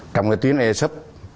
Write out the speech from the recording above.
trong cái tuyến e shop